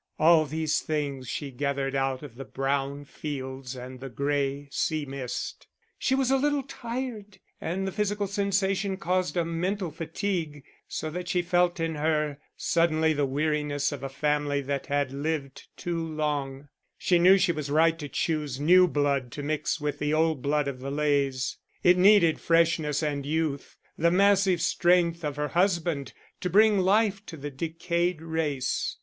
All these things she gathered out of the brown fields and the grey sea mist. She was a little tired and the physical sensation caused a mental fatigue so that she felt in her suddenly the weariness of a family that had lived too long; she knew she was right to choose new blood to mix with the old blood of the Leys. It needed freshness and youth, the massive strength of her husband, to bring life to the decayed race.